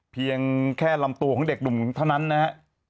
เพียงแค่ลำตัวของเด็กหนุ่มเท่านั้นนะฮะ